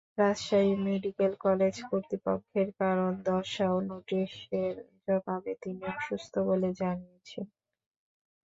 Rajshahi medical college কর্তৃপক্ষের কারণ দর্শাও নোটিশের জবাবে তিনি অসুস্থ বলে জানিয়েছেন।